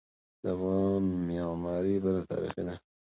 د افغان معماری بڼه تاریخي ده.